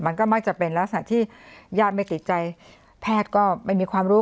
มันก็มักจะเป็นลักษณะที่ญาติไม่ติดใจแพทย์ก็ไม่มีความรู้